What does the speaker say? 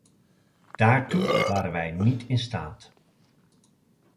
Daartoe waren wij niet in staat.